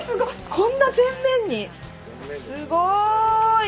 こんな前面に⁉すごい！